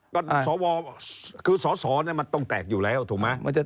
ก็สวคือสอสอมันต้องแตกอยู่แล้วถูกไหม